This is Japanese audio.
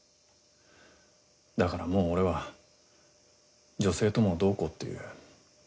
だからもう俺は女性ともどうこうっていう。